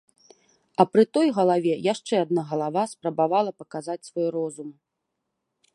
А пры той галаве яшчэ адна галава спрабавала паказаць свой розум.